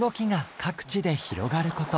各地で広がる事。